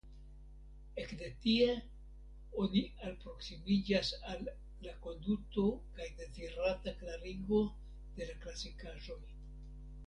Ekde tie oni alproksimiĝas al la konduto kaj dezirata klarigo de la klasikaĵoj.